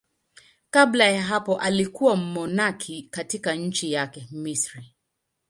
Kabla ya hapo alikuwa mmonaki katika nchi yake, Misri.